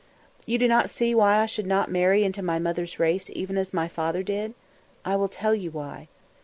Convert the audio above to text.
You do not see why I should not marry into my mother's race even as my father did? I will tell you why."